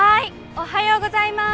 「おはようございます」。